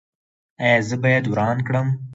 ایا زه باید وران کړم؟